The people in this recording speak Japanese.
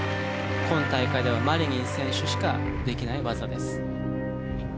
今大会ではマリニン選手しかできない技です。